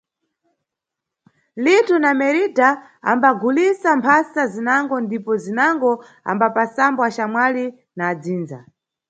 Lito na Meridha ambagulisa mphasa zinango ndipo zinango ambapasambo axamwali na adzindza.